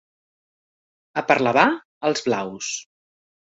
A Parlavà, els blaus.